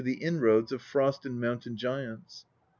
Lxivll the inroads of Frost and Mountain giants.